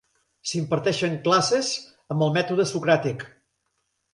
S'imparteixen classes amb el mètode socràtic.